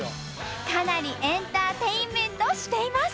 かなりエンターテインメントしています。